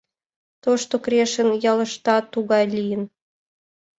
Тошто Крешын ялыштат тугай лийын.